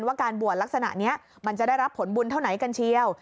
ว่าการบวชลักษณะนี้มันจะได้รับผลบุญเท่าไหนกันเชียว